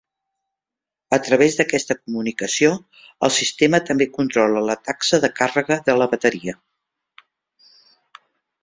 A través d'aquesta comunicació, el sistema també controla la taxa de càrrega de la bateria.